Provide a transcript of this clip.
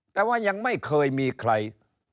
แต่ว่ายังไม่เคยมีใคร